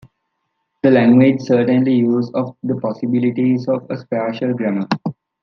The language certainly used of the possibilities of a spatial grammar.